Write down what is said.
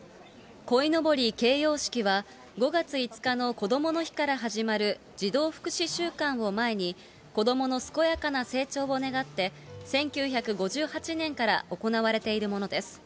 こいのぼり掲揚式は、５月５日のこどもの日から始まる児童福祉週間を前に、子どもの健やかな成長を願って、１９５８年から行われているものです。